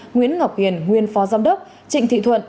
nguyễn ngọc hiền nguyên phó giám đốc trịnh thị thuận